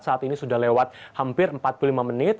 saat ini sudah lewat hampir empat puluh lima menit